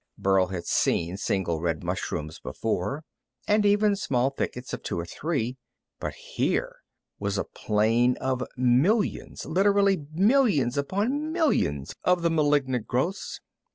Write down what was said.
Burl had seen single red mushrooms before, and even small thickets of two and three, but here was a plain of millions, literally millions upon millions of the malignant growths.